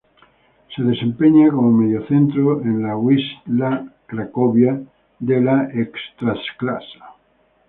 Se desempeña como mediocentro en la Wisła Cracovia de la Ekstraklasa.